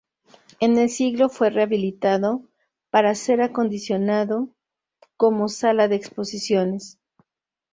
En el siglo fue rehabilitado, para ser acondicionado como sala de exposiciones.